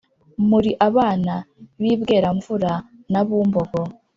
muri abana b’i bweramvura na bumbogo